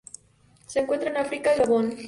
Se encuentran en África: el Gabón.